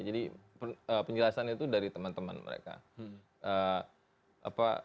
jadi penjelasan itu dari teman teman mereka